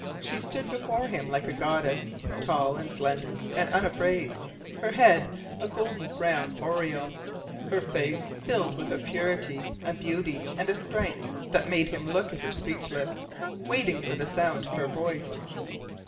She stood before him like a goddess, tall and slender and unafraid, her head a gold brown aureole, her face filled with a purity, a beauty, and a STRENGTH that made him look at her speechless, waiting for the sound of her voice.